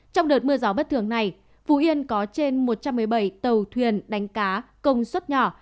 trong đợt mưa gió bất thường này phú yên có trên một trăm một mươi bảy tàu thuyền đánh cá công suất nhỏ